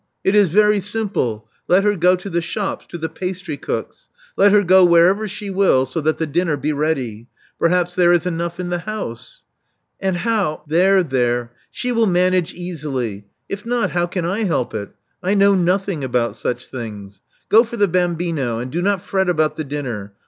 It is very simple. Let her go to the shops — to the pastrycooks. Let her go wherever she will, so that the dinner be ready. Per haps there is enough in the house." And how "There, there. She will manage easily. If not, how can I help it? I know nothing about such things. Go for the bambino; and do not fret about the dinner.